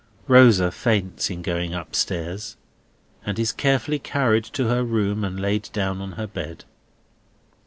Rosa faints in going up stairs, and is carefully carried to her room and laid down on her bed.